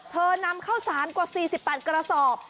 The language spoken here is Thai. เธอนำเข้าศาสกว่า๔๘กระสอบ